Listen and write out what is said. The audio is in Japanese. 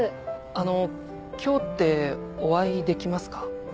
あの今日ってお会いできますか？